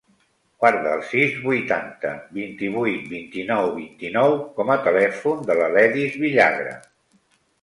Guarda el sis, vuitanta, vint-i-vuit, vint-i-nou, vint-i-nou com a telèfon de l'Aledis Villagra.